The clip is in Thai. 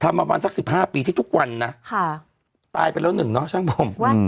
ทำมาวันสักสิบห้าปีที่ทุกวันน่ะค่ะตายไปแล้วหนึ่งเนอะช่างผมอืม